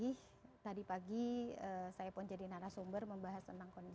saya hari ini benar benar sedih tadi pagi saya pun jadi narasumber membahas tentang konflik